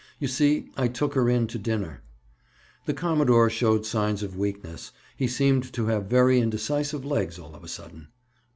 You see, I took her in to dinner." The commodore showed signs of weakness. He seemed to have very indecisive legs all of a sudden.